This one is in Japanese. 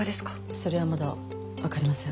それはまだ分かりません。